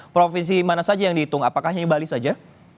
provinsi mana saja yang dihitung apakah hanya bali saja